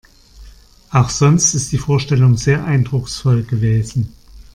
Auch sonst ist die Vorstellung sehr eindrucksvoll gewesen.